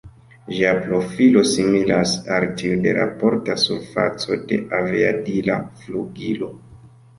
Ĝia profilo similas al tiu de la porta surfaco de aviadila flugilo.